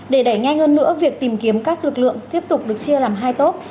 để đẩy nhanh hơn nữa việc tìm kiếm các lực lượng tiếp tục được chia làm hai tốt